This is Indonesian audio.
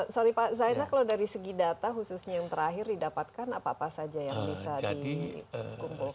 sorry pak zainal kalau dari segi data khususnya yang terakhir didapatkan apa apa saja yang bisa dikumpulkan